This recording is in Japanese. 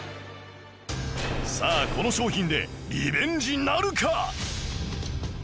さあこの商品でリベンジなるか！？